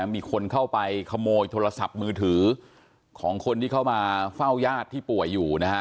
มีคนเข้าไปขโมยโทรศัพท์มือถือของคนที่เข้ามาเฝ้าญาติที่ป่วยอยู่นะฮะ